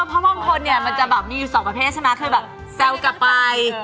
พวกเขามีอยู่สองประเภทค่ะมาแสวกลับไป